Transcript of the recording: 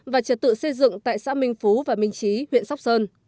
và trật tự xây dựng tại xã minh phú và minh trí huyện sóc sơn